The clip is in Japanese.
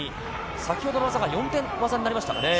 先ほどの技が４点技になりましたね。